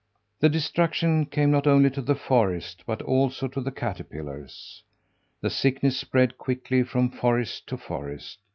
The destruction came not only to the forest, but also to the caterpillars. The sickness spread quickly from forest to forest.